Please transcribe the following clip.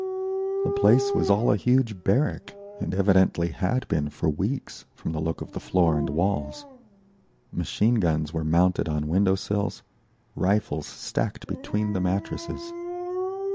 The place was all a huge barrack, and evidently had been for weeks, from the look of the floor and walls. Machine guns were mounted on window sills, rifles stacked between the mattresses.